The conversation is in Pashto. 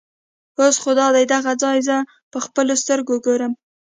اوس خو دادی دغه ځای زه په خپلو سترګو ګورم.